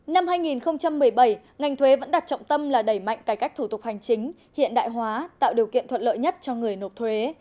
năm hai nghìn một mươi bảy ngành thuế vẫn đặt trọng tâm là đẩy mạnh cải cách thủ tục hành chính hiện đại hóa tạo điều kiện thuận lợi nhất cho người nộp thuế